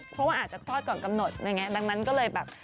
เพราะว่าอาจจะคลอดก่อนกำหนดดังนั้นก็เลยแบบ